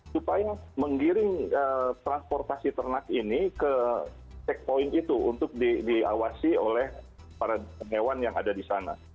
supaya menggiring transportasi ternak ini ke checkpoint itu untuk diawasi oleh para hewan yang ada di sana